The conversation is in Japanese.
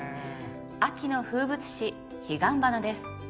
秋の風物詩彼岸花です。